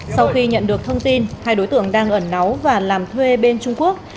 sau khi nhận được thông tin hai đối tượng đang ẩn náu và làm thuê bên trung quốc